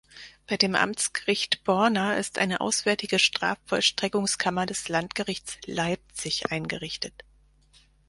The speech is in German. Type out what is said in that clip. Bei dem Amtsgericht Borna ist eine auswärtige Strafvollstreckungskammer des Landgerichts Leipzig eingerichtet.